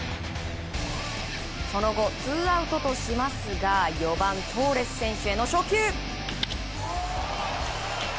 その後、ツーアウトとしますが４番トーレス選手への初球。